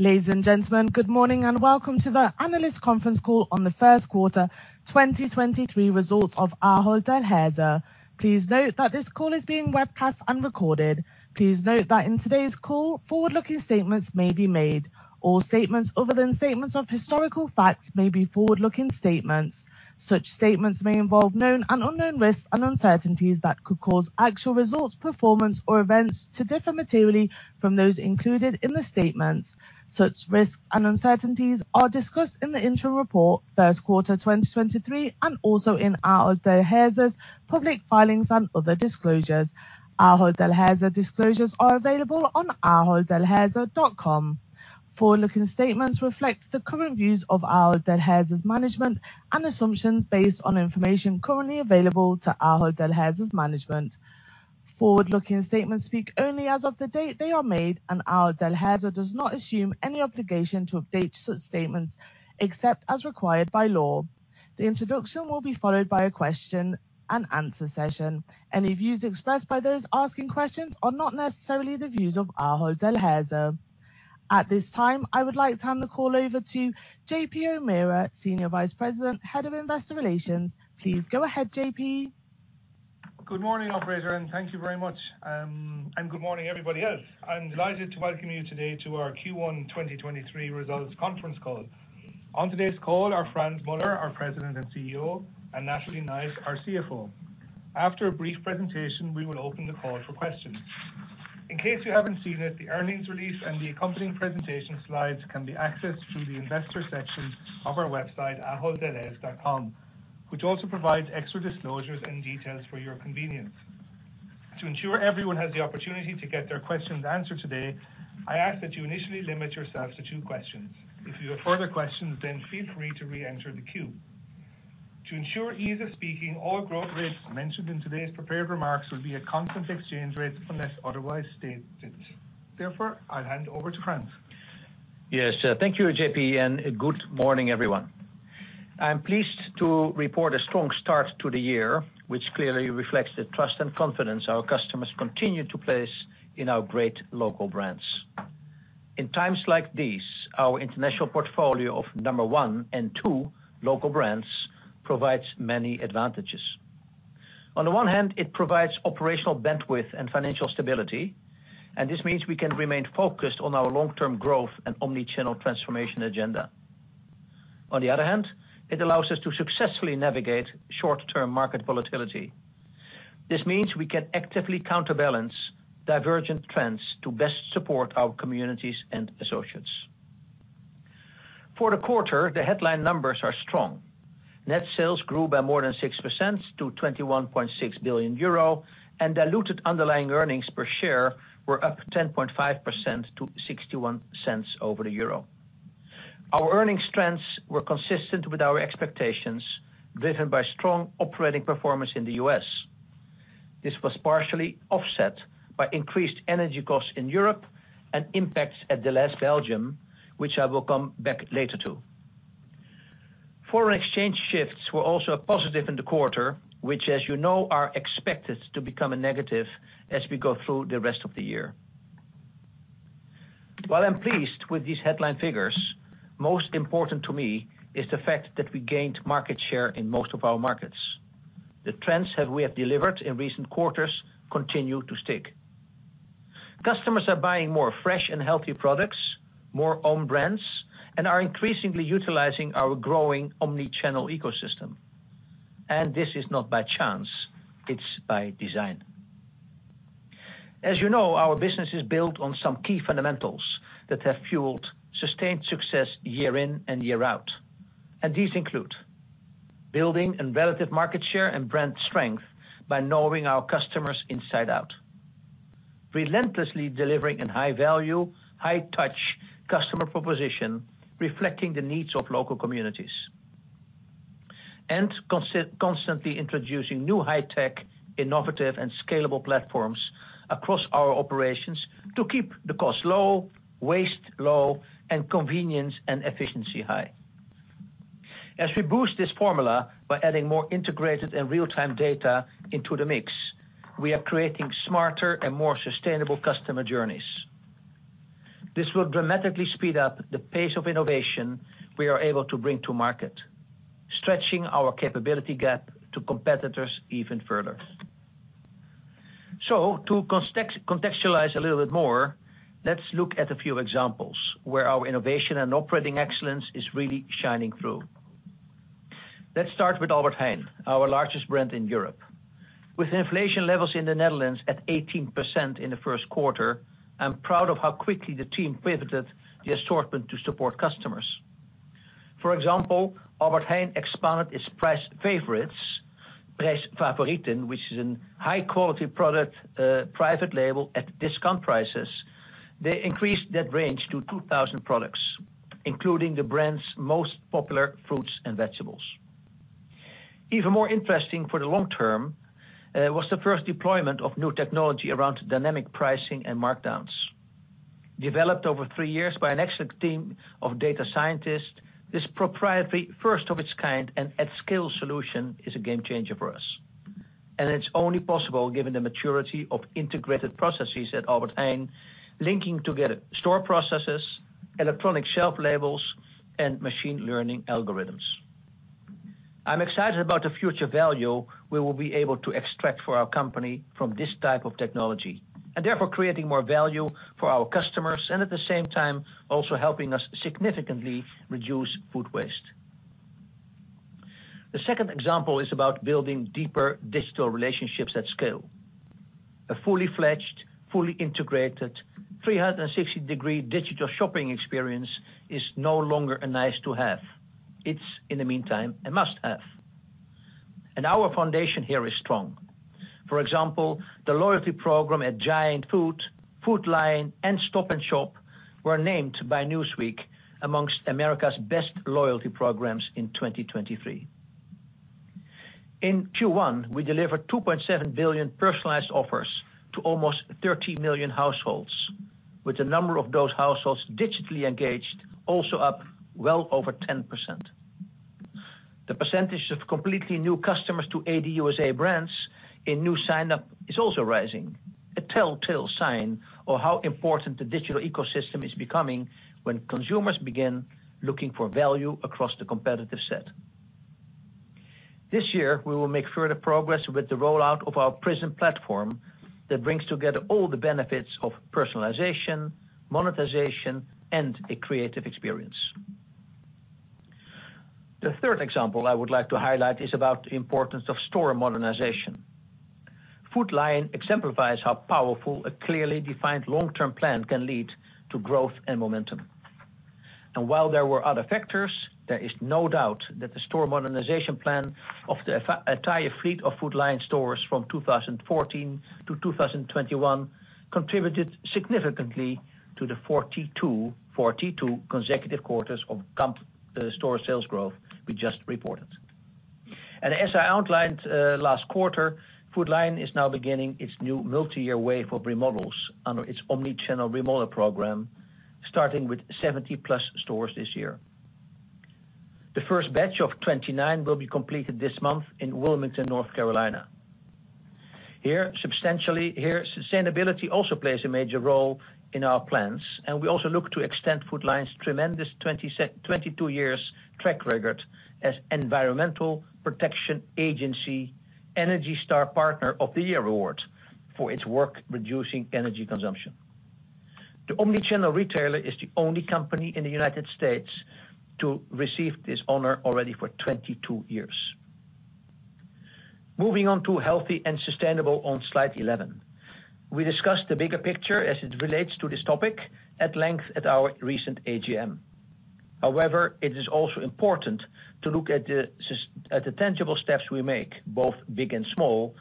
Ladies and gentlemen, good morning, and welcome to the analyst conference call on the first quarter 2023 results of Ahold Delhaize. Please note that this call is being webcast and recorded. Please note that in today's call, forward-looking statements may be made. All statements other than statements of historical facts may be forward-looking statements. Such statements may involve known and unknown risks and uncertainties that could cause actual results, performance, or events to differ materially from those included in the statements. Such risks and uncertainties are discussed in the interim report first quarter 2023 and also in Ahold Delhaize's public filings and other disclosures. Ahold Delhaize disclosures are available on aholddelhaize.com. Forward-looking statements reflect the current views of Ahold Delhaize's management and assumptions based on information currently available to Ahold Delhaize's management. Forward-looking statements speak only as of the date they are made, and Ahold Delhaize does not assume any obligation to update such statements except as required by law. The introduction will be followed by a question and answer session. Any views expressed by those asking questions are not necessarily the views of Ahold Delhaize. At this time, I would like to hand the call over to J.P. O'Meara, Senior Vice President, Head of Investor Relations. Please go ahead, J.P. Good morning, operator, and thank you very much. Good morning, everybody else. I'm delighted to welcome you today to our Q1 2023 results conference call. On today's call are Frans Muller, our President and CEO, and Natalie Knight, our CFO. After a brief presentation, we will open the call for questions. In case you haven't seen it, the earnings release and the accompanying presentation slides can be accessed through the investor section of our website, aholddelhaize.com, which also provides extra disclosures and details for your convenience. To ensure everyone has the opportunity to get their questions answered today, I ask that you initially limit yourselves to two questions. If you have further questions, feel free to reenter the queue. To ensure ease of speaking, all growth rates mentioned in today's prepared remarks will be a constant exchange rate unless otherwise stated. Therefore, I'll hand you over to Frans. Yes. Thank you, J.P., good morning, everyone. I'm pleased to report a strong start to the year, which clearly reflects the trust and confidence our customers continue to place in our great local brands. In times like these, our international portfolio of number one and two local brands provides many advantages. On the one hand, it provides operational bandwidth and financial stability, this means we can remain focused on our long-term growth and omni-channel transformation agenda. On the other hand, it allows us to successfully navigate short-term market volatility. This means we can actively counterbalance divergent trends to best support our communities and associates. For the quarter, the headline numbers are strong. Net sales grew by more than 6% to 21.6 billion euro, diluted underlying earnings per share were up 10.5% to 0.61. Our earnings trends were consistent with our expectations, driven by strong operating performance in the U.S. This was partially offset by increased energy costs in Europe and impacts at Delhaize Belgium, which I will come back later to. Foreign exchange shifts were also a positive in the quarter, which as you know, are expected to become a negative as we go through the rest of the year. While I'm pleased with these headline figures, most important to me is the fact that we gained market share in most of our markets. The trends that we have delivered in recent quarters continue to stick. Customers are buying more fresh and healthy products, more own brands, and are increasingly utilizing our growing omni-channel ecosystem. This is not by chance, it's by design. As you know, our business is built on some key fundamentals that have fueled sustained success year in and year out. These include building in relative market share and brand strength by knowing our customers inside out. Relentlessly delivering in high value, high touch customer proposition, reflecting the needs of local communities. Constantly introducing new high-tech, innovative, and scalable platforms across our operations to keep the cost low, waste low, and convenience and efficiency high. As we boost this formula by adding more integrated and real-time data into the mix, we are creating smarter and more sustainable customer journeys. This will dramatically speed up the pace of innovation we are able to bring to market, stretching our capability gap to competitors even further. To contextualize a little bit more, let's look at a few examples where our innovation and operating excellence is really shining through. Let's start with Albert Heijn, our largest brand in Europe. With inflation levels in the Netherlands at 18% in the first quarter, I'm proud of how quickly the team pivoted the assortment to support customers. For example, Albert Heijn expanded its price favorites, Prijsfavorieten, which is a high-quality product, private label at discount prices. They increased that range to 2,000 products, including the brand's most popular fruits and vegetables. Even more interesting for the long term was the first deployment of new technology around dynamic pricing and markdowns. It's only possible given the maturity of integrated processes at Albert Heijn, linking together store processes, electronic shelf labels, and machine learning algorithms. I'm excited about the future value we will be able to extract for our company from this type of technology, and therefore creating more value for our customers and at the same time, also helping us significantly reduce food waste. The second example is about building deeper digital relationships at scale. A fully-fledged, fully integrated 360-degree digital shopping experience is no longer a nice-to-have. It's, in the meantime, a must-have. Our foundation here is strong. For example, the loyalty program at Giant Food Lion, and Stop & Shop were named by Newsweek amongst America's best loyalty programs in 2023. In Q1, we delivered 2.7 billion personalized offers to almost 30 million households, with the number of those households digitally engaged also up well over 10%. The percentage of completely new customers to ADUSA brands in new sign-up is also rising, a tell-tale sign of how important the digital ecosystem is becoming when consumers begin looking for value across the competitive set. This year, we will make further progress with the rollout of our PRISM platform that brings together all the benefits of personalization, monetization, and a creative experience. The third example I would like to highlight is about the importance of store modernization. Food Lion exemplifies how powerful a clearly defined long-term plan can lead to growth and momentum. While there were other factors, there is no doubt that the store modernization plan of the entire fleet of Food Lion stores from 2014 to 2021 contributed significantly to the 42 consecutive quarters of comp store sales growth we just reported. As I outlined, last quarter, Food Lion is now beginning its new multi-year wave of remodels under its omni-channel remodel program, starting with 70+ stores this year. The first batch of 29 will be completed this month in Wilmington, North Carolina. Here, sustainability also plays a major role in our plans. We also look to extend Food Lion's tremendous 22 years track record as Environmental Protection Agency Energy Star Partner of the Year Award for its work reducing energy consumption. The omni-channel retailer is the only company in the United States to receive this honor already for 22 years. Moving on to healthy and sustainable on slide 11. We discussed the bigger picture as it relates to this topic at length at our recent AGM. However, it is also important to look at the tangible steps we make, both big and small,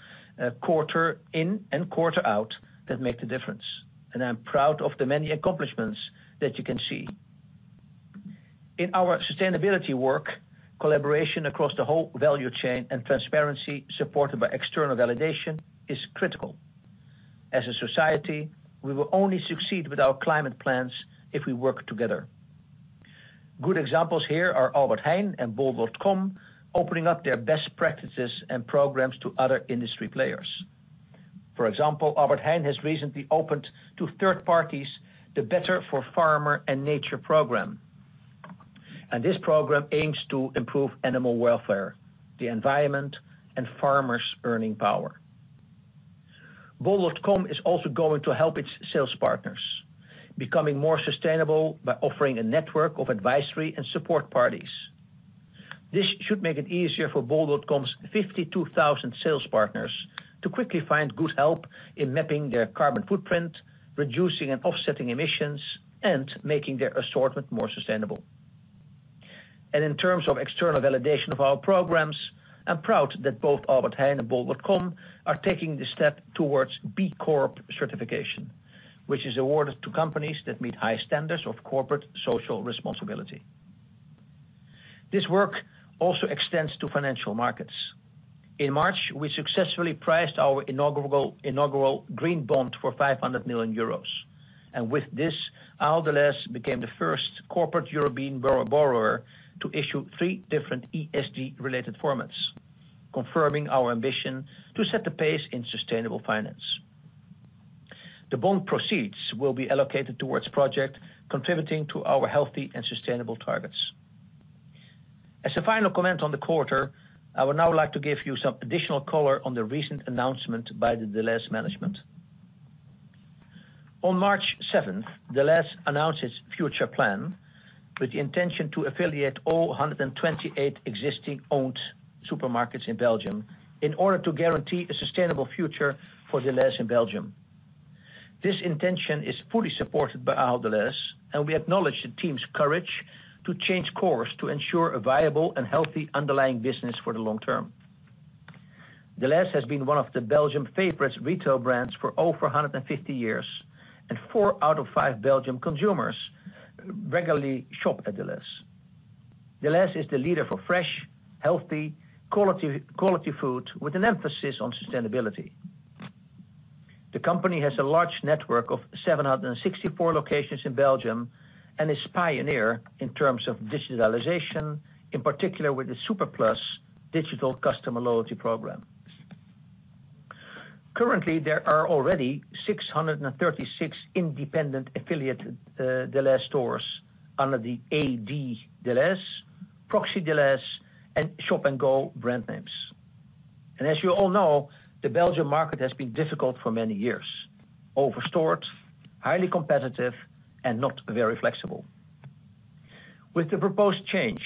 quarter in and quarter out, that make the difference. I'm proud of the many accomplishments that you can see. In our sustainability work, collaboration across the whole value chain and transparency supported by external validation is critical. As a society, we will only succeed with our climate plans if we work together. Good examples here are Albert Heijn and bol.com opening up their best practices and programs to other industry players. For example, Albert Heijn has recently opened to third parties the Better for Farmer and Nature program. This program aims to improve animal welfare, the environment, and farmers' earning power. Bol.com is also going to help its sales partners becoming more sustainable by offering a network of advisory and support parties. This should make it easier for bol.com's 52,000 sales partners to quickly find good help in mapping their carbon footprint, reducing and offsetting emissions, and making their assortment more sustainable. In terms of external validation of our programs, I'm proud that both Albert Heijn and bol.com are taking the step towards B Corp certification, which is awarded to companies that meet high standards of corporate social responsibility. This work also extends to financial markets. In March, we successfully priced our inaugural green bond for 500 million euros. With this, Ahold Delhaize became the first corporate European borrower to issue three different ESG-related formats, confirming our ambition to set the pace in sustainable finance. The bond proceeds will be allocated towards project contributing to our healthy and sustainable targets. As a final comment on the quarter, I would now like to give you some additional color on the recent announcement by the Delhaize management. On March seventh, Delhaize announced its future plan with the intention to affiliate all 128 existing owned supermarkets in Belgium in order to guarantee a sustainable future for Delhaize in Belgium. This intention is fully supported by Ahold Delhaize. We acknowledge the team's courage to change course to ensure a viable and healthy underlying business for the long term. Delhaize has been one of the Belgian favorites retail brands for over 150 years. Four out of five Belgian consumers regularly shop at Delhaize. Delhaize is the leader for fresh, healthy, quality food with an emphasis on sustainability. The company has a large network of 764 locations in Belgium, and is pioneer in terms of digitalization, in particular, with the SuperPlus digital customer loyalty program. Currently, there are already 636 independent affiliate Delhaize stores under the AD Delhaize, Proxy Delhaize, and Shop & Go brand names. As you all know, the Belgium market has been difficult for many years. Overstored, highly competitive, and not very flexible. With the proposed change,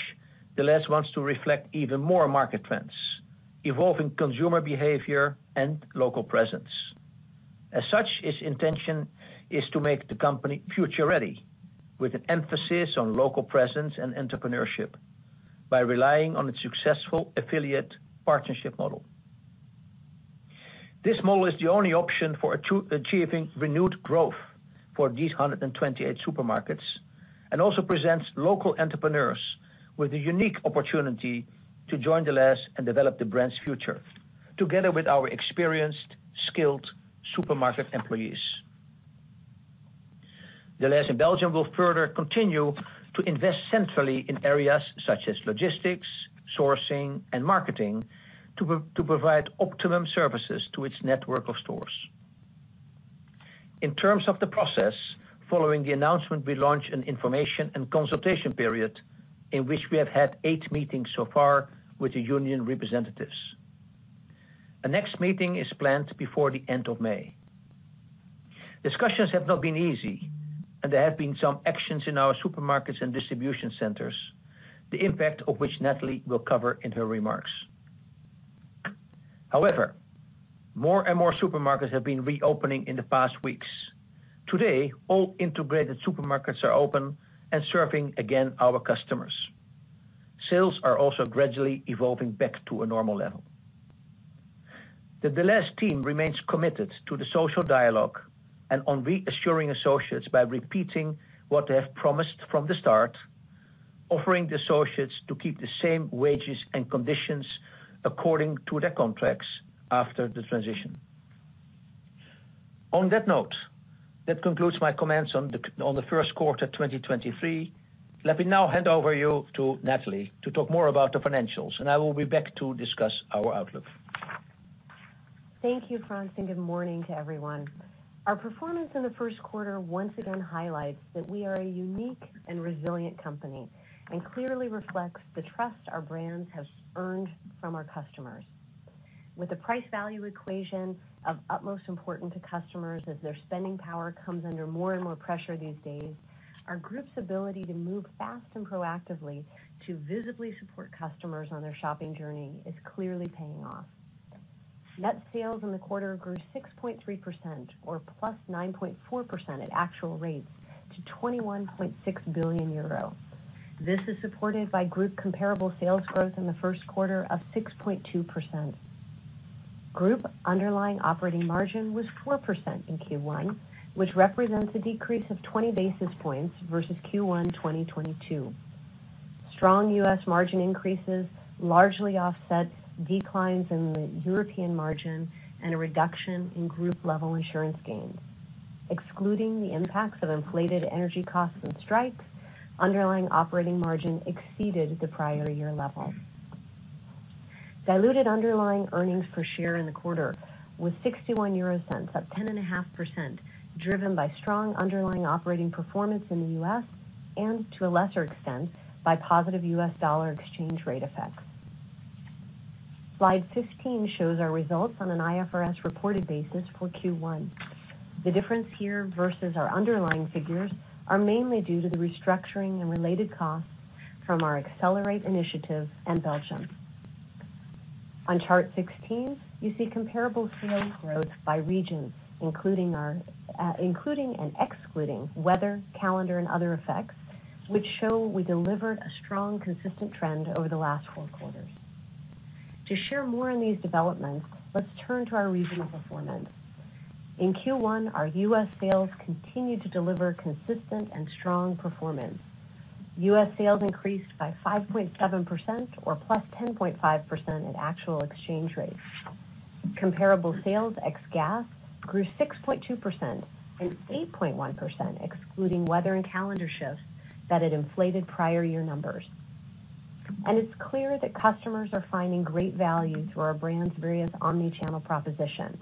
Delhaize wants to reflect even more market trends, evolving consumer behavior and local presence. As such, its intention is to make the company future-ready with an emphasis on local presence and entrepreneurship by relying on its successful affiliate partnership model. This model is the only option for achieving renewed growth for these 128 supermarkets, and also presents local entrepreneurs with a unique opportunity to join Delhaize and develop the brand's future together with our experienced, skilled supermarket employees. Delhaize in Belgium will further continue to invest centrally in areas such as logistics, sourcing, and marketing to provide optimum services to its network of stores. In terms of the process, following the announcement, we launch an information and consultation period in which we have had eight meetings so far with the union representatives. The next meeting is planned before the end of May. Discussions have not been easy, and there have been some actions in our supermarkets and distribution centers, the impact of which Natalie will cover in her remarks. However, more and more supermarkets have been reopening in the past weeks. Today, all integrated supermarkets are open and serving again our customers. Sales are also gradually evolving back to a normal level. The Delhaize team remains committed to the social dialogue and on reassuring associates by repeating what they have promised from the start, offering the associates to keep the same wages and conditions according to their contracts after the transition. On that note, that concludes my comments on the first quarter 2023. Let me now hand over you to Natalie to talk more about the financials, and I will be back to discuss our outlook. Thank you, Frans. Good morning to everyone. Our performance in the first quarter once again highlights that we are a unique and resilient company, and clearly reflects the trust our brands has earned from our customers. With the price-value equation of utmost importance to customers as their spending power comes under more and more pressure these days, our group's ability to move fast and proactively to visibly support customers on their shopping journey is clearly paying off. Net sales in the quarter grew 6.3% or +9.4% at actual rates to 21.6 billion euro. This is supported by group comparable sales growth in the first quarter of 6.2%. Group underlying operating margin was 4% in Q1, which represents a decrease of 20 basis points versus Q1 2022. Strong U.S. margin increases largely offset declines in the European margin and a reduction in group-level insurance gains. Excluding the impacts of inflated energy costs and strikes, underlying operating margin exceeded the prior year level. Diluted underlying earnings per share in the quarter was 0.61, up 10.5%, driven by strong underlying operating performance in the U.S. and to a lesser extent by positive U.S. dollar exchange rate effects. Slide 15 shows our results on an IFRS reported basis for Q1. The difference here versus our underlying figures are mainly due to the restructuring and related costs from our Accelerate initiative and Belgium. On chart 16, you see comparable sales growth by regions, including and excluding weather, calendar, and other effects, which show we delivered a strong, consistent trend over the last four quarters. To share more on these developments, let's turn to our regional performance. In Q1, our U.S. sales continued to deliver consistent and strong performance. U.S. sales increased by 5.7% or +10.5% at actual exchange rates. Comparable sales, ex gas, grew 6.2% and 8.1%, excluding weather and calendar shifts that had inflated prior year numbers. It's clear that customers are finding great value through our brand's various omni-channel propositions.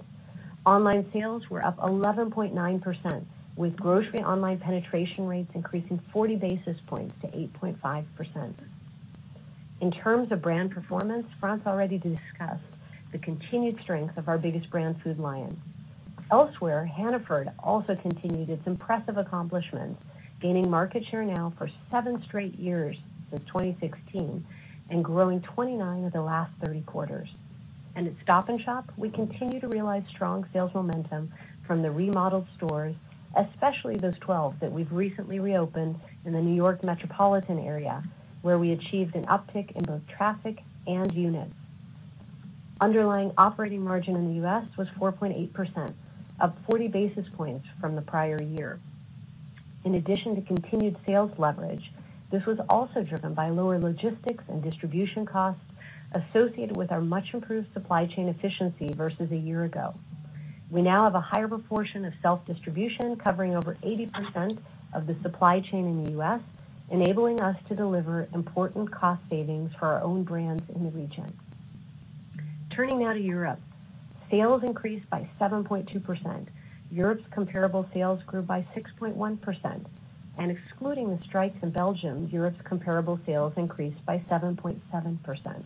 Online sales were up 11.9%, with grocery online penetration rates increasing 40 basis points to 8.5%. In terms of brand performance, Frans already discussed the continued strength of our biggest brand, Food Lion. Elsewhere, Hannaford also continued its impressive accomplishments, gaining market share now for seven straight years since 2016 and growing 29 of the last 30 quarters. At Stop & Shop, we continue to realize strong sales momentum from the remodeled stores, especially those 12 that we've recently reopened in the New York metropolitan area, where we achieved an uptick in both traffic and units. Underlying operating margin in the U.S. was 4.8%, up 40 basis points from the prior year. In addition to continued sales leverage, this was also driven by lower logistics and distribution costs associated with our much improved supply chain efficiency versus a year ago. We now have a higher proportion of self-distribution covering over 80% of the supply chain in the U.S., enabling us to deliver important cost savings for our own brands in the region. Turning now to Europe. Sales increased by 7.2%. Europe's comparable sales grew by 6.1%, and excluding the strikes in Belgium, Europe's comparable sales increased by 7.7%.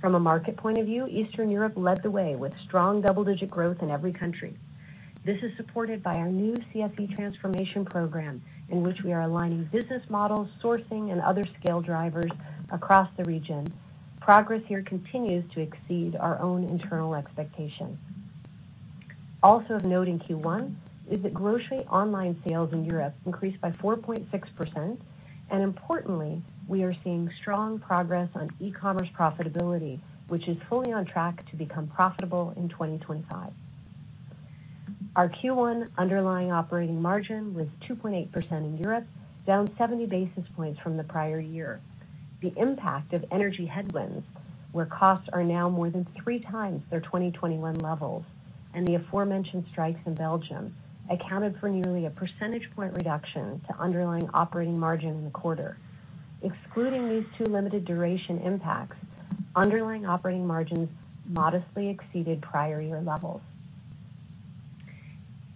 From a market point of view, Eastern Europe led the way with strong double-digit growth in every country. This is supported by our new CFE transformation program, in which we are aligning business models, sourcing, and other scale drivers across the region. Progress here continues to exceed our own internal expectations. Also of note in Q1 is that grocery online sales in Europe increased by 4.6%, and importantly, we are seeing strong progress on e-commerce profitability, which is fully on track to become profitable in 2025. Our Q1 underlying operating margin was 2.8% in Europe, down 70 basis points from the prior year. The impact of energy headwinds, where costs are now more than three times their 2021 levels, and the aforementioned strikes in Belgium accounted for nearly a percentage point reduction to underlying operating margin in the quarter. Excluding these two limited duration impacts, underlying operating margins modestly exceeded prior year levels.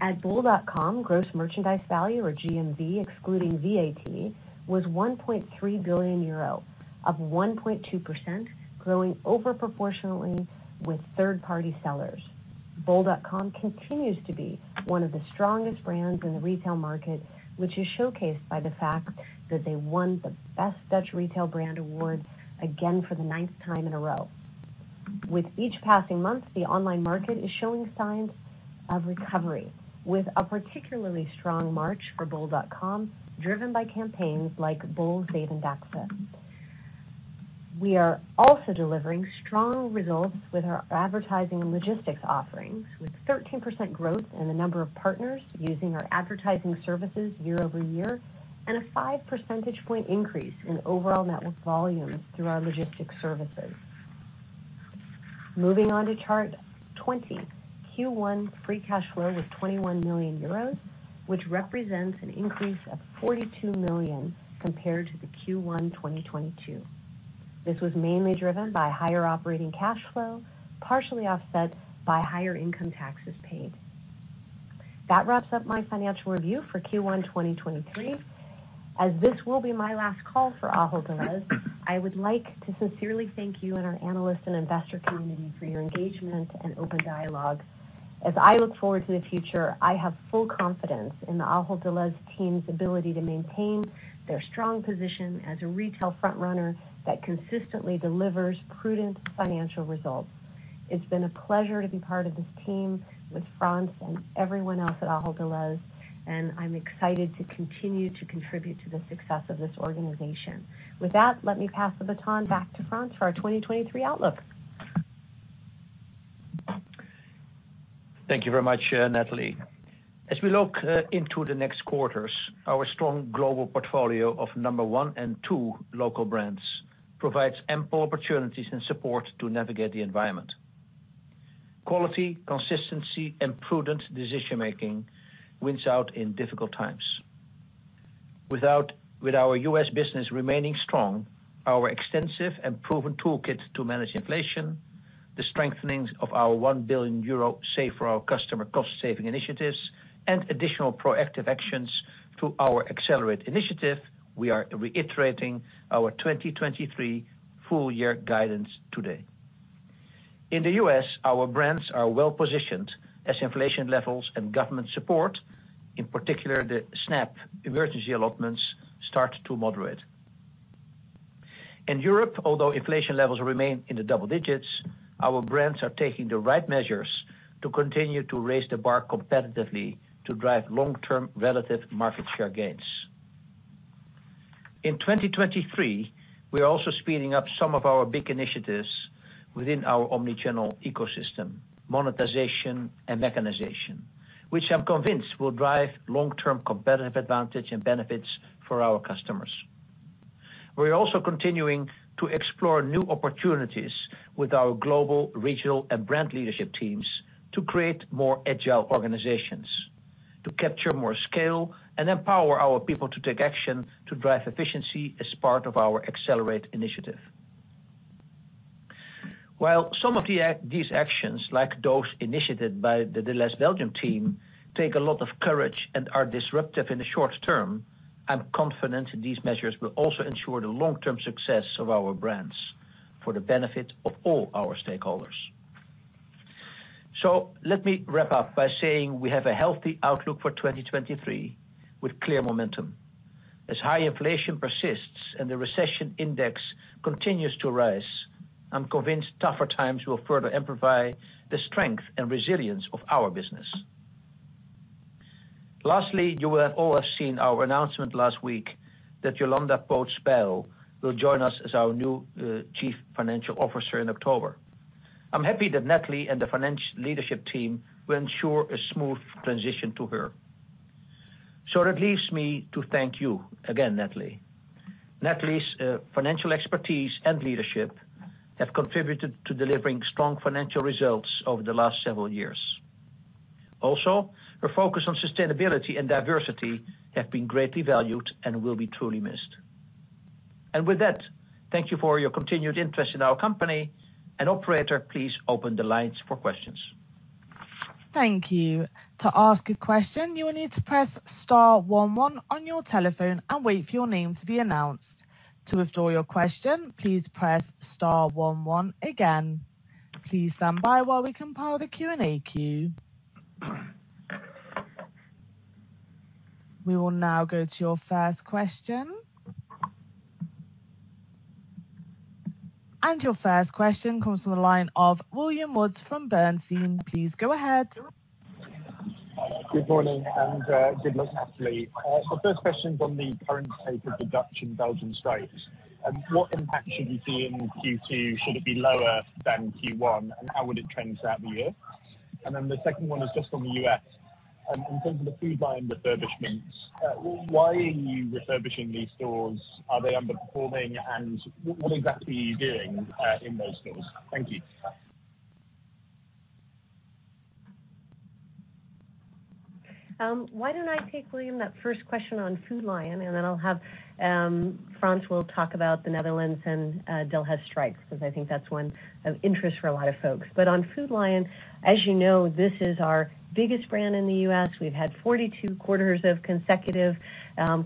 At bol.com, gross merchandise value, or GMV, excluding VAT, was 1.3 billion euro of 1.2%, growing over proportionally with third-party sellers. Bol.com continues to be one of the strongest brands in the retail market, which is showcased by the fact that they won the Best Dutch Retail Brand award again for the ninth time in a row. With each passing month, the online market is showing signs of recovery, with a particularly strong March for bol.com, driven by campaigns like Bol Save and Access. We are also delivering strong results with our advertising and logistics offerings, with 13% growth in the number of partners using our advertising services year-over-year and a 5 percentage point increase in overall net volume through our logistics services. Moving on to chart 20, Q1 free cash flow was 21 million euros, which represents an increase of 42 million compared to the Q1 2022. This was mainly driven by higher operating cash flow, partially offset by higher income taxes paid. That wraps up my financial review for Q1 2023. As this will be my last call for Ahold Delhaize, I would like to sincerely thank you and our analyst and investor community for your engagement and open dialogue. As I look forward to the future, I have full confidence in the Ahold Delhaize team's ability to maintain their strong position as a retail front runner that consistently delivers prudent financial results. It's been a pleasure to be part of this team with Frans and everyone else at Ahold Delhaize. I'm excited to continue to contribute to the success of this organization. With that, let me pass the baton back to Frans for our 2023 outlook. Thank you very much, Natalie. As we look into the next quarters, our strong global portfolio of number one and two local brands provides ample opportunities and support to navigate the environment. Quality, consistency and prudent decision-making wins out in difficult times. With our U.S. business remaining strong, our extensive and proven toolkit to manage inflation, the strengthening of our 1 billion euro save for our customer cost-saving initiatives, and additional proactive actions through our Accelerate initiative, we are reiterating our 2023 full year guidance today. In the U.S., our brands are well-positioned as inflation levels and government support, in particular the SNAP emergency allotments, start to moderate. In Europe, although inflation levels remain in the double digits, our brands are taking the right measures to continue to raise the bar competitively to drive long-term relative market share gains. In 2023, we are also speeding up some of our big initiatives within our omni-channel ecosystem, monetization and mechanization, which I'm convinced will drive long-term competitive advantage and benefits for our customers. We're also continuing to explore new opportunities with our global, regional and brand leadership teams to create more agile organizations, to capture more scale and empower our people to take action to drive efficiency as part of our Accelerate initiative. While some of these actions, like those initiated by the Delhaize Belgium team, take a lot of courage and are disruptive in the short term, I'm confident these measures will also ensure the long-term success of our brands for the benefit of all our stakeholders. Let me wrap up by saying we have a healthy outlook for 2023 with clear momentum. As high inflation persists and the recession index continues to rise, I'm convinced tougher times will further amplify the strength and resilience of our business. Lastly, you will all have seen our announcement last week that Jolanda Poots-Bijl will join us as our new chief financial officer in October. I'm happy that Natalie and the leadership team will ensure a smooth transition to her. That leaves me to thank you again, Natalie. Natalie's financial expertise and leadership have contributed to delivering strong financial results over the last several years. Also, her focus on sustainability and diversity have been greatly valued and will be truly missed. With that, thank you for your continued interest in our company. Operator, please open the lines for questions. Thank you. To ask a question, you will need to press star one one on your telephone and wait for your name to be announced. To withdraw your question, please press star one one again. Please stand by while we compile the Q&A queue. We will now go to your first question. Your first question comes from the line of William Woods from Bernstein. Please go ahead. Good morning and good luck, Natalie. The first question's on the current state of the Dutch and Belgian strikes. What impact should we see in Q2? Should it be lower than Q1? How would it trend throughout the year? Then the second one is just on the U.S. In terms of the Food Lion refurbishments, why are you refurbishing these stores? Are they underperforming? What exactly are you doing in those stores? Thank you. Why don't I take, William, that first question on Food Lion, and then I'll have, Frans will talk about the Netherlands and Delhaize strikes, because I think that's one of interest for a lot of folks. On Food Lion, as you know, this is our biggest brand in the U.S. We've had 42 quarters of consecutive,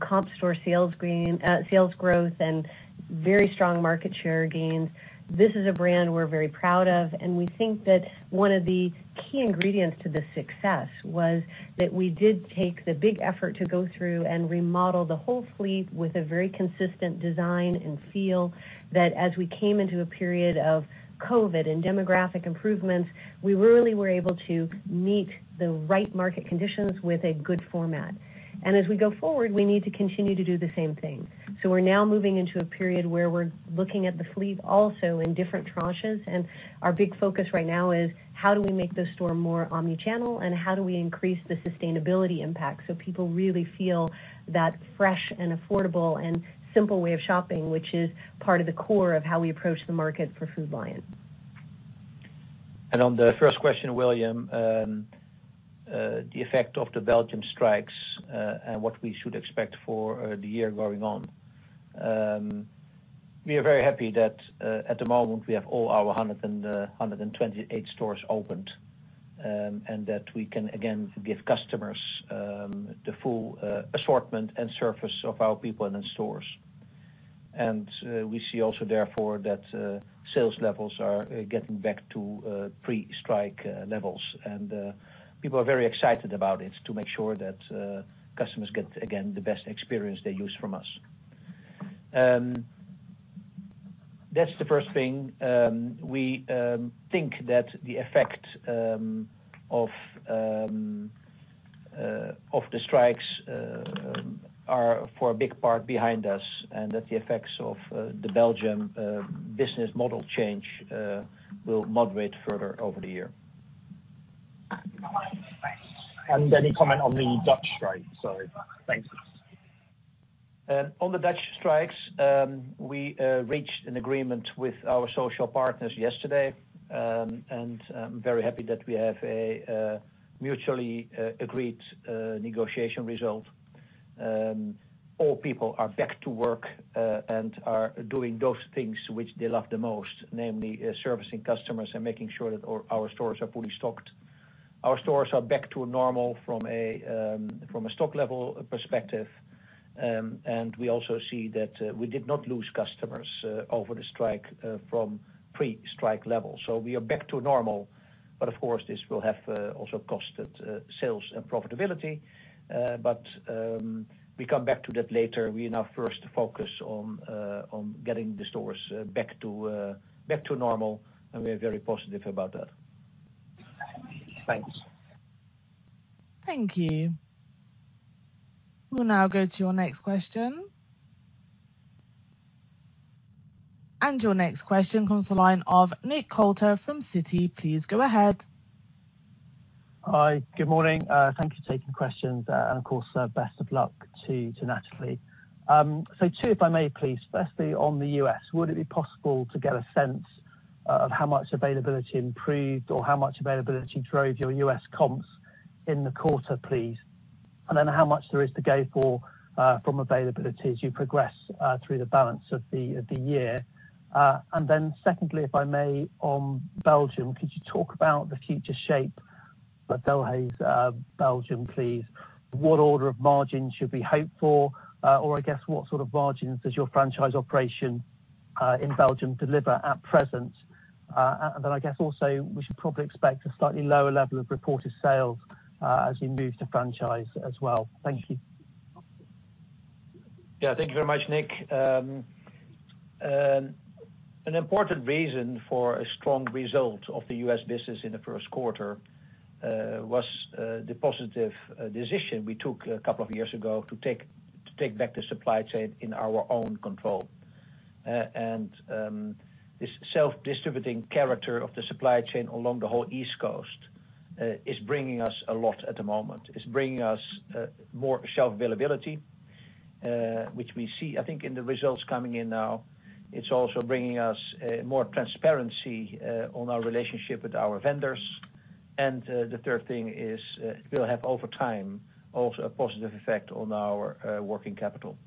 comp store sales gain, sales growth and very strong market share gains. This is a brand we're very proud of, and we think that one of the key ingredients to the success was that we did take the big effort to go through and remodel the whole fleet with a very consistent design and feel that as we came into a period of COVID and demographic improvements, we really were able to meet the right market conditions with a good format. As we go forward, we need to continue to do the same thing. We're now moving into a period where we're looking at the fleet also in different tranches, and our big focus right now is how do we make this store more omnichannel, and how do we increase the sustainability impact, so people really feel that fresh and affordable and simple way of shopping, which is part of the core of how we approach the market for Food Lion. On the first question, William, the effect of the Belgium strikes, and what we should expect for the year going on. We are very happy that at the moment, we have all our 128 stores opened, and that we can again give customers the full assortment and service of our people in the stores. We see also, therefore, that sales levels are getting back to pre-strike levels. People are very excited about it to make sure that customers get, again, the best experience they use from us. That's the first thing. We think that the effect of the strikes are for a big part behind us and that the effects of the Belgium business model change will moderate further over the year. Any comment on the Dutch strike? Sorry. Thanks. On the Dutch strikes, we reached an agreement with our social partners yesterday, and very happy that we have a mutually agreed negotiation result. All people are back to work and are doing those things which they love the most, namely, servicing customers and making sure that our stores are fully stocked. Our stores are back to normal from a stock level perspective, and we also see that we did not lose customers over the strike from pre-strike levels. We are back to normal, but of course, this will have also costed sales and profitability. We come back to that later. We now first focus on getting the stores back to normal, and we are very positive about that. Thanks. Thank you. We'll now go to your next question. Your next question comes from the line of Nick Coulter from Citi. Please go ahead. Hi. Good morning. Thank you for taking questions, and of course, best of luck to Natalie. Two, if I may, please. Firstly, on the U.S., would it be possible to get a sense of how much availability improved or how much availability drove your U.S. comps in the quarter, please? How much there is to go for from availability as you progress through the balance of the year. Secondly, if I may, on Belgium, could you talk about the future shape of Delhaize Belgium, please? What order of margin should we hope for? I guess what sort of margins does your franchise operation in Belgium deliver at present? I guess also, we should probably expect a slightly lower level of reported sales, as you move to franchise as well. Thank you. Yeah. Thank you very much, Nick. An important reason for a strong result of the U.S. business in the first quarter was the positive decision we took a couple of years ago to take back the supply chain in our own control. This self-distributing character of the supply chain along the whole East Coast is bringing us a lot at the moment. It's bringing us more shelf availability, which we see, I think in the results coming in now. It's also bringing us more transparency on our relationship with our vendors. The third thing is, it will have over time, also a positive effect on our working capital.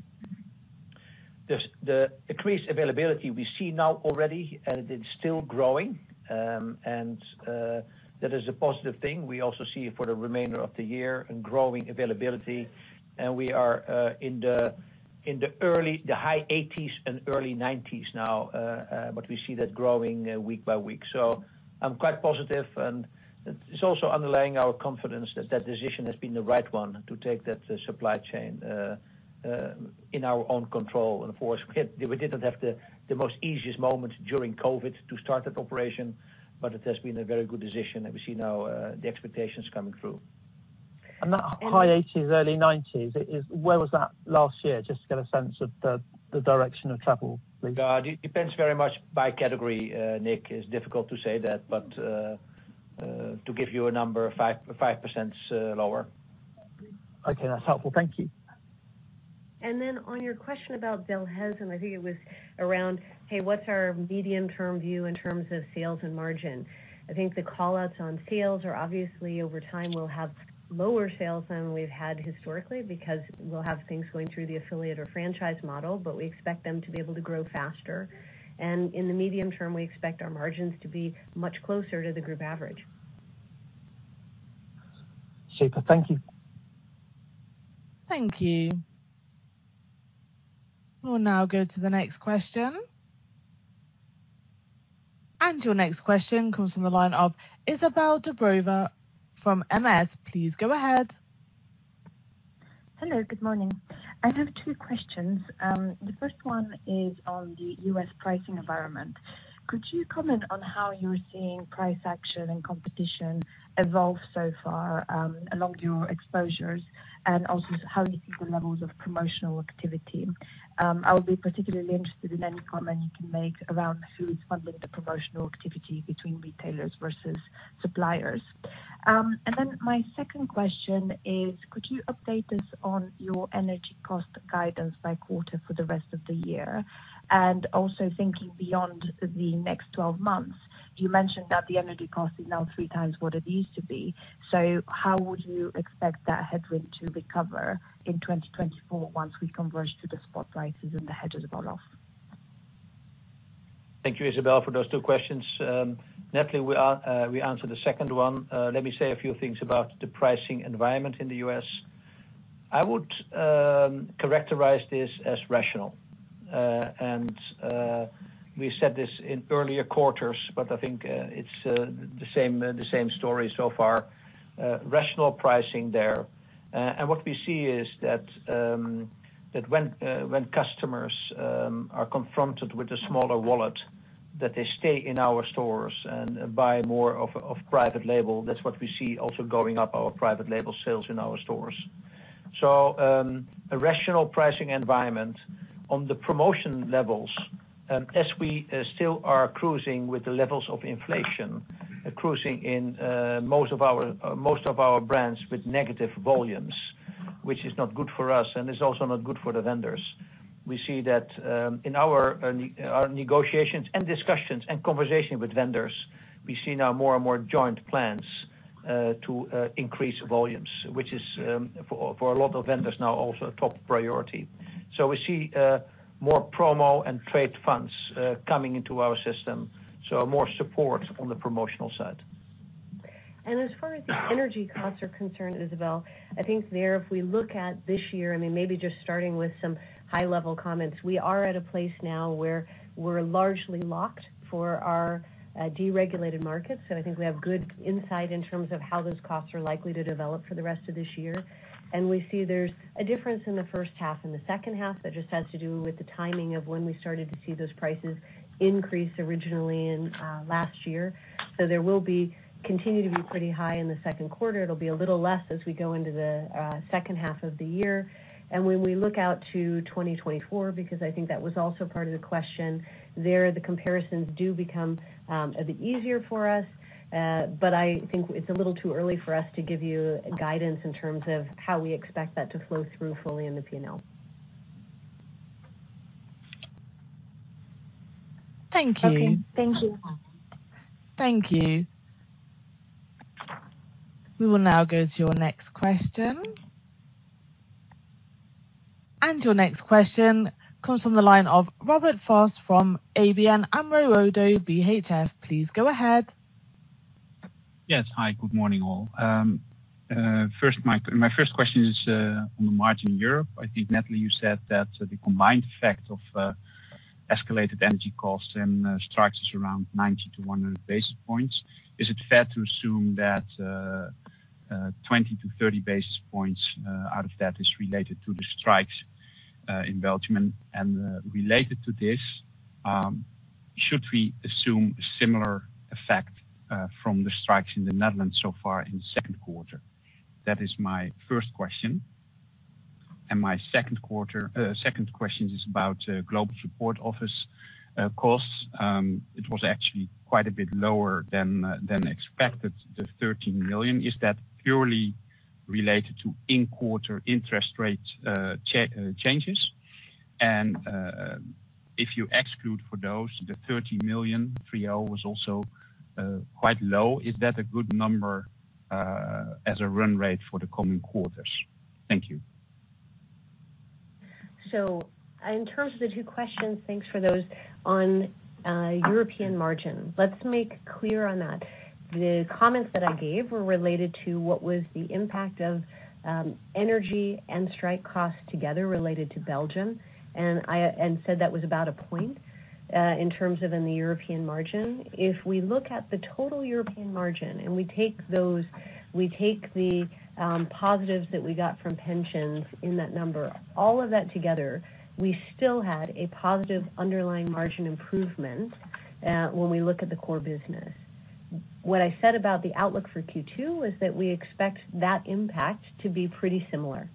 The increased availability we see now already, and it is still growing. That is a positive thing. We also see for the remainder of the year in growing availability, and we are in the high 80s and early 90s now. We see that growing week by week. I'm quite positive and it's also underlying our confidence that that decision has been the right one to take that supply chain in our own control. Of course, we didn't have the most easiest moment during COVID to start that operation, but it has been a very good decision, and we see now the expectations coming through. That high 80s, early 90s, is, where was that last year? Just to get a sense of the direction of travel, please. Depends very much by category, Nick. It's difficult to say that, but, to give you a number, 5% lower. Okay. That's helpful. Thank you. On your question about Delhaize, and I think it was around, hey, what's our medium-term view in terms of sales and margin? I think the call-outs on sales are obviously over time, we'll have lower sales than we've had historically because we'll have things going through the affiliate or franchise model, but we expect them to be able to grow faster. In the medium term, we expect our margins to be much closer to the group average. Super. Thank you. Thank you. We'll now go to the next question. Your next question comes from the line of Izabel Dobreva from MS. Please go ahead. Hello. Good morning. I have two questions. The first one is on the U.S. pricing environment. Could you comment on how you're seeing price action and competition evolve so far, along your exposures, and also how you think the levels of promotional activity? I'll be particularly interested in any comment you can make around who's funding the promotional activity between retailers versus suppliers. My second question is, could you update us on your energy cost guidance by quarter for the rest of the year? Thinking beyond the next 12 months, you mentioned that the energy cost is now three times what it used to be. How would you expect that headwind to recover in 2024 once we converge to the spot prices and the hedges fall off? Thank you, Izabel Dobreva, for those two questions. Natalie, we answered the second one. Let me say a few things about the pricing environment in the U.S. I would characterize this as rational. We said this in earlier quarters, but I think it's the same story so far, rational pricing there. What we see is that when customers are confronted with a smaller wallet, that they stay in our stores and buy more of private label. That's what we see also going up our private label sales in our stores. A rational pricing environment on the promotion levels, as we still are cruising with the levels of inflation, cruising in most of our brands with negative volumes, which is not good for us and is also not good for the vendors. We see that in our negotiations and discussions and conversations with vendors. We see now more and more joint plans to increase volumes, which is for a lot of vendors now also a top priority. We see more promo and trade funds coming into our system, so more support on the promotional side. As far as the energy costs are concerned, Isabelle, I think there, if we look at this year, I mean, maybe just starting with some high-level comments. We are at a place now where we're largely locked for our deregulated markets. I think we have good insight in terms of how those costs are likely to develop for the rest of this year. We see there's a difference in the first half and the second half. That just has to do with the timing of when we started to see those prices increase originally in last year. There will be, continue to be pretty high in the second quarter. It'll be a little less as we go into the second half of the year. When we look out to 2024, because I think that was also part of the question, there, the comparisons do become a bit easier for us. I think it's a little too early for us to give you guidance in terms of how we expect that to flow through fully in the P&L. Thank you. Okay. Thank you. Thank you. We will now go to your next question. Your next question comes from the line of Robert Vos from ABN AMRO Oddo BHF. Please go ahead. Yes. Hi, good morning, all. First, my first question is on the margin in Europe. I think, Natalie, you said that the combined effect of escalated energy costs and strikes is around 90 to 100 basis points. Is it fair to assume that 20 to 30 basis points out of that is related to the strikes? In Belgium. Related to this, should we assume a similar effect from the strikes in the Netherlands so far in the second quarter? That is my first question. My second question is about Global Support Office costs. It was actually quite a bit lower than expected, the 13 million. Is that purely related to in-quarter interest rate changes? If you exclude for those, the 13 million 3L was also quite low. Is that a good number as a run rate for the coming quarters? Thank you. In terms of the two questions, thanks for those. On European margin, let's make clear on that. The comments that I gave were related to what was the impact of energy and strike costs together related to Belgium, and said that was about one point in terms of in the European margin. If we look at the total European margin, and we take those, we take the positives that we got from pensions in that number, all of that together, we still had a positive underlying margin improvement when we look at the core business. What I said about the outlook for Q2 is that we expect that impact to be pretty similar.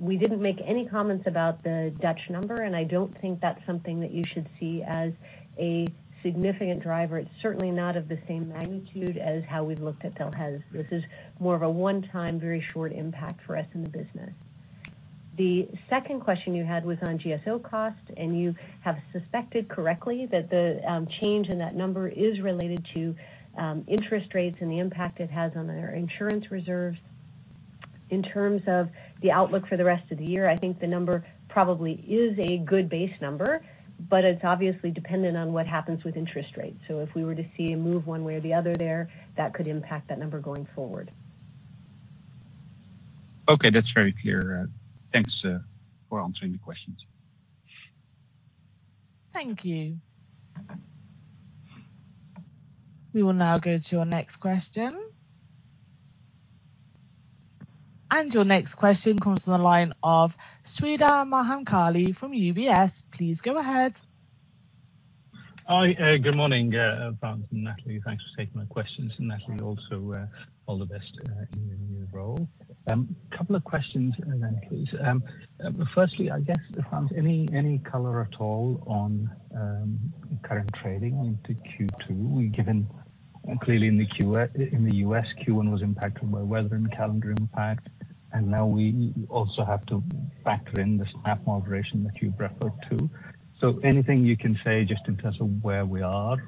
We didn't make any comments about the Dutch number, I don't think that's something that you should see as a significant driver. It's certainly not of the same magnitude as how we looked at Delhaize. This is more of a one-time, very short impact for us in the business. The second question you had was on GSO costs, and you have suspected correctly that the change in that number is related to interest rates and the impact it has on our insurance reserves. In terms of the outlook for the rest of the year, I think the number probably is a good base number, but it's obviously dependent on what happens with interest rates. If we were to see a move one way or the other there, that could impact that number going forward. Okay. That's very clear. Thanks for answering the questions. Thank you. We will now go to our next question. Your next question comes from the line of Sreedhar Mahamkali from UBS. Please go ahead. Hi. Good morning, Frans and Natalie. Thanks for taking my questions. Natalie also, all the best in your new role. Couple of questions then, please. Firstly, I guess, Frans, any color at all on current trading into Q2 given clearly in the U.S., Q1 was impacted by weather and calendar impact, and now we also have to factor in the SNAP moderation that you've referred to. Anything you can say just in terms of where we are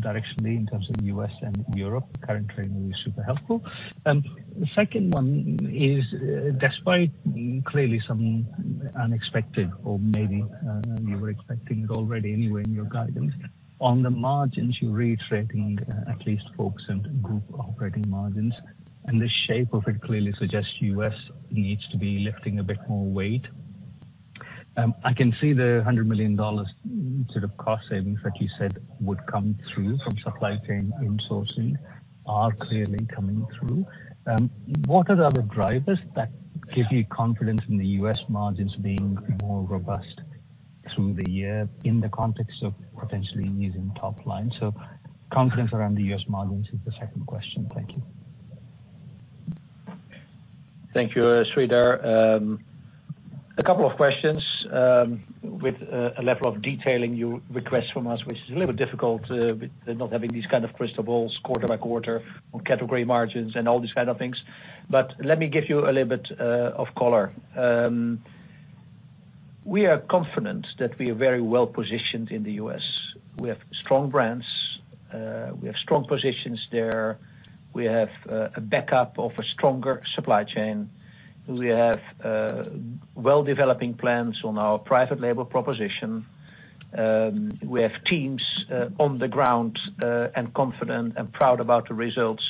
directionally in terms of U.S. and Europe, current trading will be super helpful. The second one is despite clearly some unexpected or maybe you were expecting it already anyway in your guidance, on the margins, you're reiterating at least focusing group operating margins, and the shape of it clearly suggests U.S. needs to be lifting a bit more weight. I can see the $100 million sort of cost savings that you said would come through from supply chain insourcing are clearly coming through. What are the other drivers that give you confidence in the U.S. margins being more robust through the year in the context of potentially easing top line? Confidence around the U.S. margins is the second question. Thank you. Thank you, Sreedhar. A couple of questions, with a level of detailing you request from us, which is a little bit difficult, with not having these kind of crystal balls quarter by quarter on category margins and all these kind of things. Let me give you a little bit of color. We are confident that we are very well-positioned in the U.S. We have strong brands. We have strong positions there. We have a backup of a stronger supply chain. We have well-developing plans on our private label proposition. We have teams on the ground, and confident and proud about the results.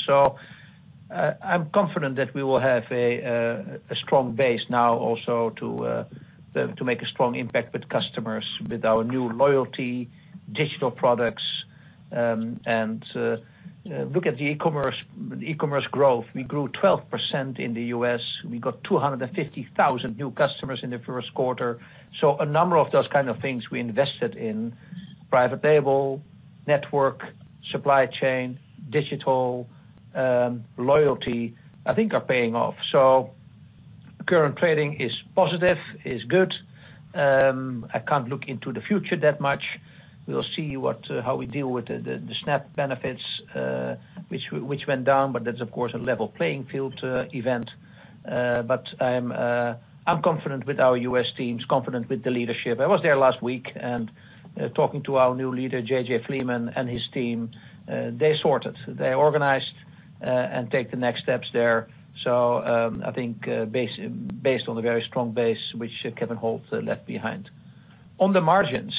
I'm confident that we will have a strong base now also to make a strong impact with customers with our new loyalty digital products. Look at the e-commerce growth. We grew 12% in the U.S. We got 250,000 new customers in the first quarter. A number of those kind of things we invested in, private label, network, supply chain, digital, loyalty, I think are paying off. Current trading is positive, is good. I can't look into the future that much. We'll see what how we deal with the SNAP benefits, which went down, but that's of course a level playing field event. I'm confident with our U.S. teams, confident with the leadership. I was there last week and talking to our new leader, J.J. Fleeman and his team. They're sorted, they're organized, and take the next steps there. I think, based on the very strong base which Kevin Holt left behind. On the margins,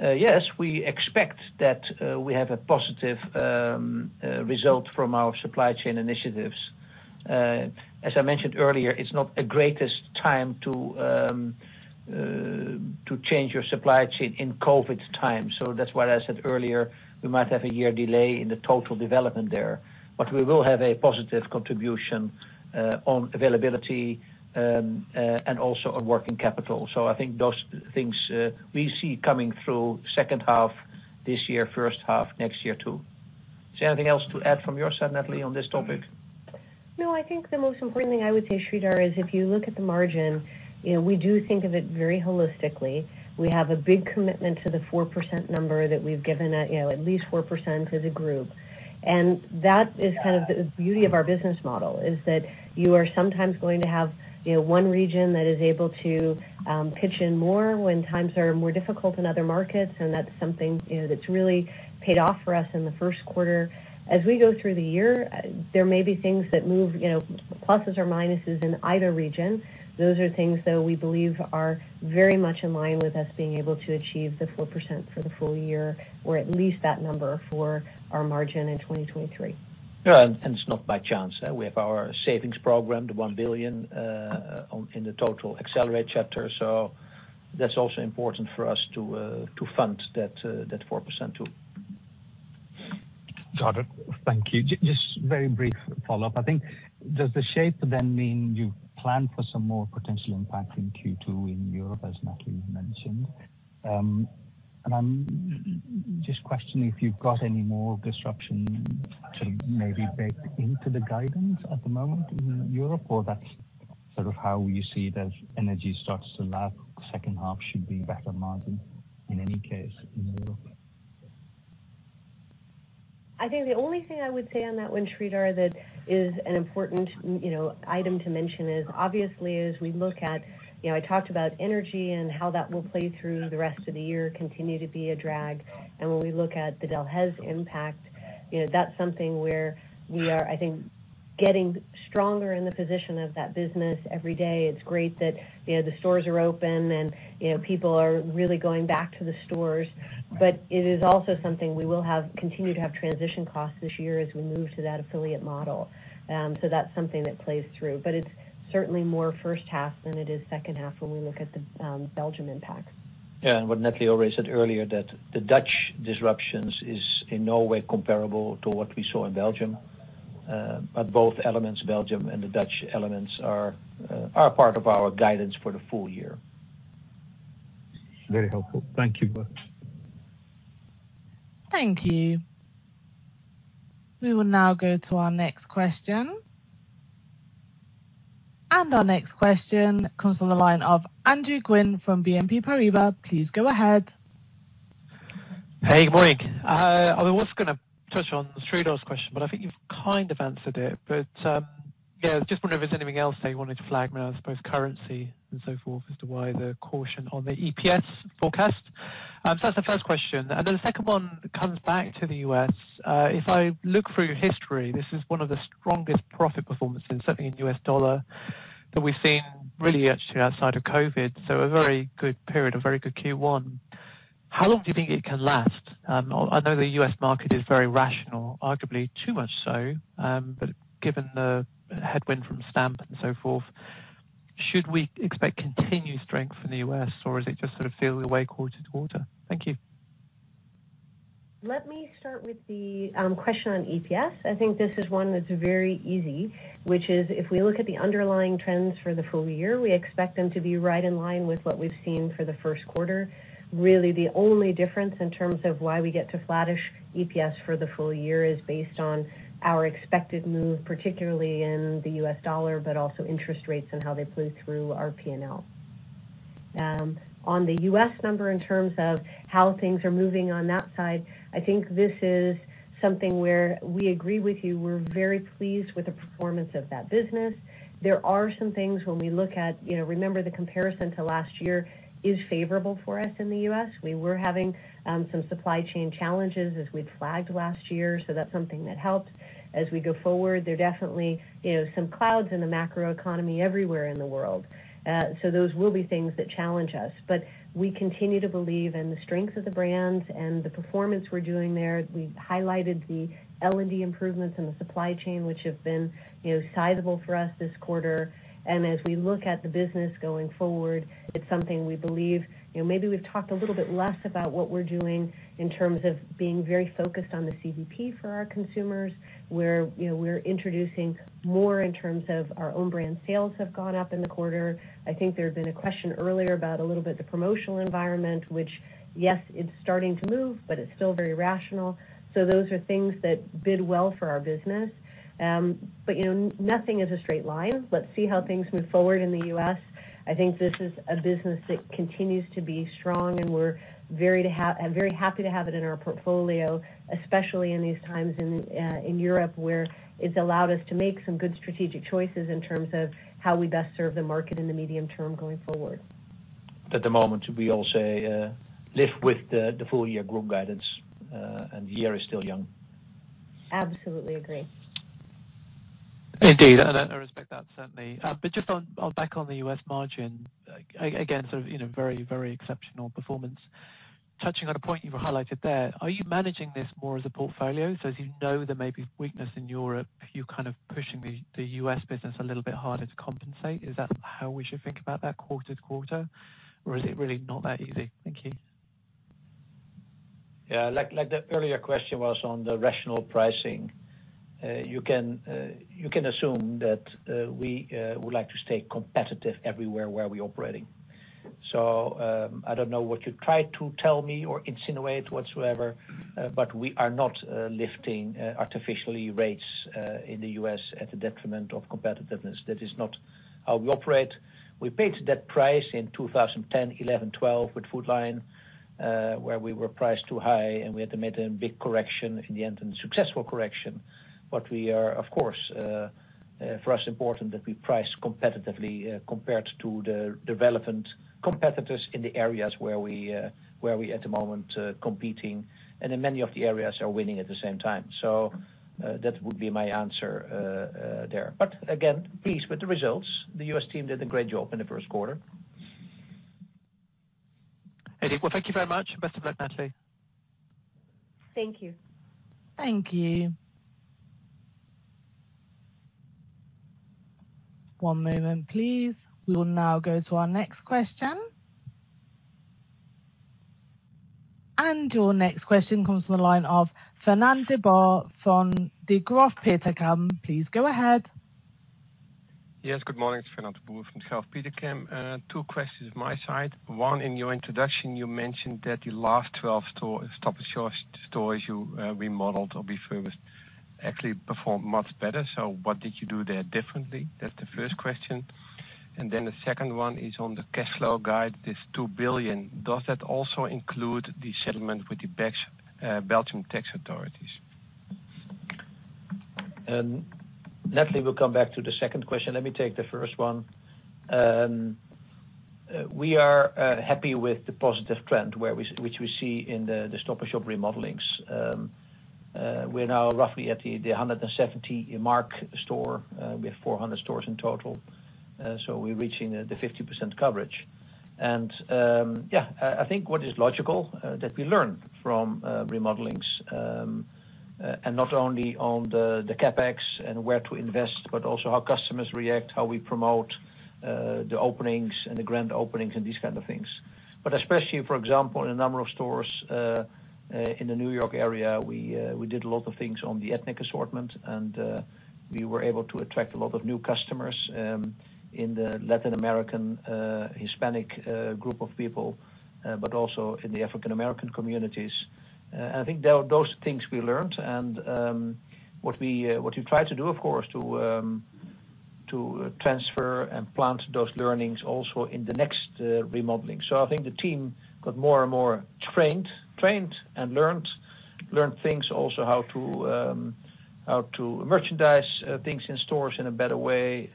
yes, we expect that we have a positive result from our supply chain initiatives. As I mentioned earlier, it's not the greatest time to change your supply chain in COVID time. That's why I said earlier, we might have a year delay in the total development there. We will have a positive contribution on availability and also on working capital. I think those things we see coming through second half this year, first half next year too. Is there anything else to add from your side, Natalie, on this topic? I think the most important thing I would say, Sreedhar, is if you look at the margin, you know, we do think of it very holistically. We have a big commitment to the 4% number that we've given at, you know, at least 4% as a group. That is kind of the beauty of our business model, is that you are sometimes going to have, you know, one region that is able to pitch in more when times are more difficult in other markets, and that's something, you know, that's really paid off for us in the first quarter. As we go through the year, there may be things that move, you know, pluses or minuses in either region. Those are things that we believe are very much in line with us being able to achieve the 4% for the full year, or at least that number for our margin in 2023. Yeah, it's not by chance. We have our savings program, the 1 billion, in the total Accelerate chapter. That's also important for us to fund that 4% too. Got it. Thank you. Just very brief follow-up. I think does the shape then mean you plan for some more potential impact in Q2 in Europe, as Natalie mentioned? I'm just questioning if you've got any more disruption to maybe bake into the guidance at the moment in Europe, or that's sort of how you see it as energy starts to lag, second half should be better margin in any case in Europe. I think the only thing I would say on that one, Sreedhar, that is an important, you know, item to mention is obviously, as we look at, you know, I talked about energy and how that will play through the rest of the year, continue to be a drag. When we look at the Delhaize impact, you know, that's something where we are, I think, getting stronger in the position of that business every day. It's great that, you know, the stores are open and, you know, people are really going back to the stores. It is also something we will have, continue to have transition costs this year as we move to that affiliate model. That's something that plays through. It's certainly more first half than it is second half when we look at the Belgium impact. Yeah, what Natalie already said earlier, that the Dutch disruptions is in no way comparable to what we saw in Belgium. Both elements, Belgium and the Dutch elements are part of our guidance for the full year. Very helpful. Thank you both. Thank you. We will now go to our next question. Our next question comes from the line of Andrew Gwynn from BNP Paribas. Please go ahead. Hey, good morning. I was gonna touch on Sreedhar's question, but I think you've kind of answered it. Yeah, just wonder if there's anything else that you wanted to flag now, I suppose currency and so forth as to why the caution on the EPS forecast. That's the first question. The second one comes back to the U.S. If I look through your history, this is one of the strongest profit performances, certainly in U.S. dollar, that we've seen really actually outside of COVID. A very good period, a very good Q1. How long do you think it can last? I know the U.S. market is very rational, arguably too much so. Given the headwind from stamp and so forth, should we expect continued strength in the U.S., or is it just sort of feel your way towards water? Thank you. Let me start with the question on EPS. I think this is one that's very easy, which is if we look at the underlying trends for the full year, we expect them to be right in line with what we've seen for the first quarter. Really, the only difference in terms of why we get to flattish EPS for the full year is based on our expected move, particularly in the U.S. dollar, but also interest rates and how they play through our P&L. On the U.S. number in terms of how things are moving on that side, I think this is something where we agree with you. We're very pleased with the performance of that business. There are some things when we look at, you know, remember the comparison to last year is favorable for us in the U.S. We were having, some supply chain challenges as we'd flagged last year, so that's something that helped. We go forward, there are definitely, you know, some clouds in the macroeconomy everywhere in the world. Those will be things that challenge us. We continue to believe in the strengths of the brands and the performance we're doing there. We've highlighted the L&D improvements in the supply chain, which have been, you know, sizable for us this quarter. As we look at the business going forward, it's something we believe. You know, maybe we've talked a little bit less about what we're doing in terms of being very focused on the CDP for our consumers, where, you know, we're introducing more in terms of our own brand sales have gone up in the quarter. I think there had been a question earlier about a little bit the promotional environment, which, yes, it's starting to move, but it's still very rational. Those are things that bid well for our business. You know, nothing is a straight line. Let's see how things move forward in the U.S. I think this is a business that continues to be strong, and we're very happy to have it in our portfolio, especially in these times in Europe, where it's allowed us to make some good strategic choices in terms of how we best serve the market in the medium term going forward. At the moment, we all say, live with the full year growth guidance, and the year is still young. Absolutely agree. Indeed, and I respect that certainly. Just on back on the U.S. margin, again, sort of, you know, very exceptional performance. Touching on a point you've highlighted there, are you managing this more as a portfolio? As you know there may be weakness in Europe, you're kind of pushing the US business a little bit harder to compensate. Is that how we should think about that quarter to quarter, or is it really not that easy? Thank you. Yeah. Like the earlier question was on the rational pricing. You can assume that we would like to stay competitive everywhere where we operating. I don't know what you try to tell me or insinuate whatsoever, but we are not lifting artificially rates in the U.S. at the detriment of competitiveness. That is not how we operate. We paid that price in 2010, 2011, 2012 with Food Lion, where we were priced too high and we had to make a big correction in the end, and successful correction. We are of course, for us important that we price competitively compared to the relevant competitors in the areas where we at the moment competing and in many of the areas are winning at the same time. That would be my answer, there. Again, pleased with the results. The U.S. team did a great job in the first quarter. Eddie, well, thank you very much. Best of luck, Natalie. Thank you. Thank you. One moment please. We will now go to our next question. Your next question comes to the line of Fernand de Boer from Degroof Petercam. Please go ahead. Yes, good morning. It's Fernand de Boer from Degroof Petercam. Two questions my side. One, in your introduction you mentioned that the last 12 store, Stop & Shop stores you remodeled or refurbished actually performed much better. What did you do there differently? That's the first question. The second one is on the cash flow guide, this 2 billion, does that also include the settlement with the Belgian tax authorities? Natalie will come back to the second question. Let me take the first one. We are happy with the positive trend which we see in the Stop & Shop remodelings. We're now roughly at the 170 mark store. We have 400 stores in total. We're reaching the 50% coverage. Yeah, I think what is logical that we learn from remodelings. Not only on the CapEx and where to invest, but also how customers react, how we promote the openings and the grand openings and these kind of things. Especially for example, in a number of stores in the New York area, we did a lot of things on the ethnic assortment and we were able to attract a lot of new customers in the Latin American, Hispanic group of people, but also in the African American communities. I think there are those things we learned. What we try to do, of course, to transfer and plant those learnings also in the next remodeling. I think the team got more and more trained and learned things also how to merchandise things in stores in a better way,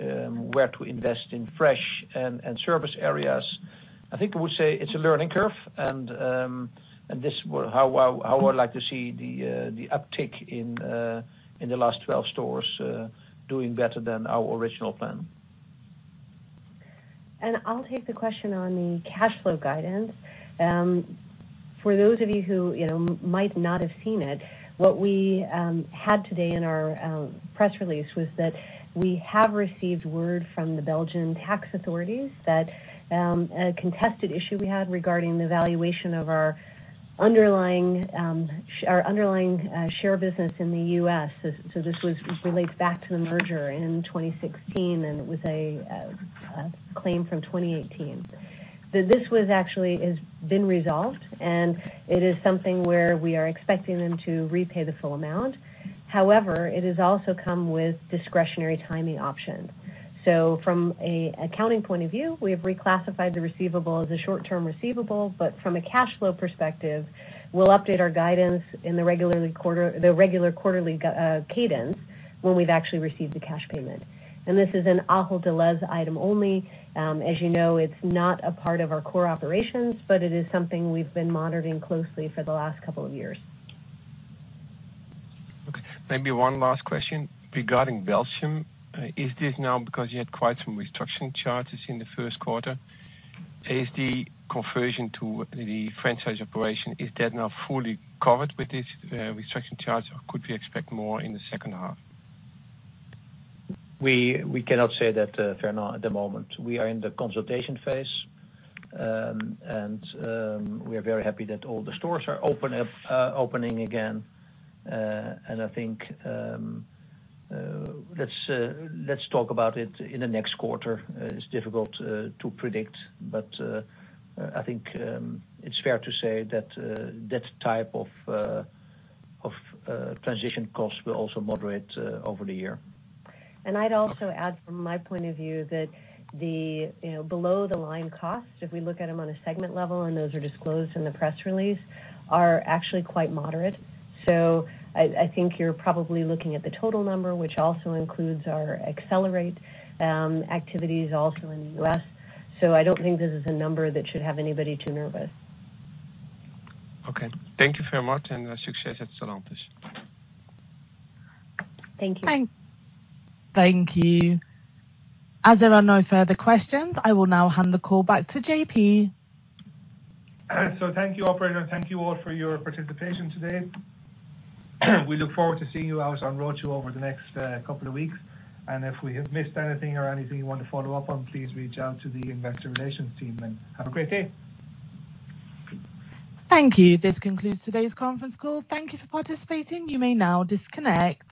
where to invest in fresh and service areas. I think I would say it's a learning curve and this how I would like to see the uptick in the last 12 stores doing better than our original plan. I'll take the question on the cash flow guidance. For those of you who, you know, might not have seen it, what we had today in our press release was that we have received word from the Belgian tax authorities that a contested issue we had regarding the valuation of our underlying share business in the U.S. This relates back to the merger in 2016, and it was a claim from 2018. This was actually is been resolved and it is something where we are expecting them to repay the full amount. However, it has also come with discretionary timing option. From a accounting point of view, we have reclassified the receivable as a short-term receivable, but from a cash flow perspective, we'll update our guidance in the regular quarterly cadence when we've actually received the cash payment. This is an Ahold Delhaize item only. As you know, it's not a part of our core operations, but it is something we've been monitoring closely for the last couple of years. Okay, maybe one last question regarding Belgium. Is this now because you had quite some restructuring charges in the first quarter? Is the conversion to the franchise operation, is that now fully covered with this restructuring charge, or could we expect more in the second half? We cannot say that, Fernand, at the moment. We are in the consultation phase, and we are very happy that all the stores are opening again. I think, let's talk about it in the next quarter. It's difficult to predict, but I think it's fair to say that that type of transition costs will also moderate over the year. I'd also add from my point of view that the, you know, below the line costs, if we look at them on a segment level, and those are disclosed in the press release, are actually quite moderate. I think you're probably looking at the total number, which also includes our Accelerate activities also in the U.S. I don't think this is a number that should have anybody too nervous. Okay. Thank you very much and success at. Thank you. Thank you. As there are no further questions, I will now hand the call back to J.P. Thank you, operator. Thank you all for your participation today. We look forward to seeing you out on road show over the next couple of weeks. If we have missed anything or anything you want to follow up on, please reach out to the investor relations team, and have a great day. Thank you. This concludes today's conference call. Thank you for participating. You may now disconnect.